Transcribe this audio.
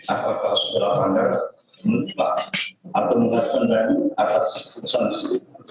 apakah sudah langgar menutup atau menghentari atas pesan disitu